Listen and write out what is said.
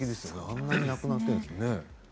あんなになくなっているんですね。